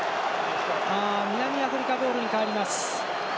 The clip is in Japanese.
南アフリカボールに変わります。